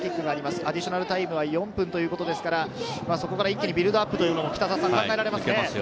アディショナルタイムは４分ということですから、一気にビルドアップというのも考えられますね。